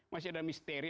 masih ada misteri